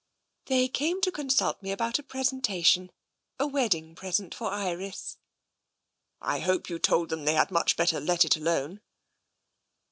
" They came to consult me about a presentation — a wedding present for Iris.'' " I hope you told them they had much better let it alone."